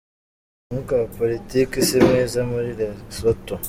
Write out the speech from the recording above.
Umwuka wa politiki si mwiza muri Lesotho.